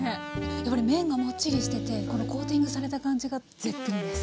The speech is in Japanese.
やっぱり麺がもっちりしててこのコーティングされた感じが絶品です。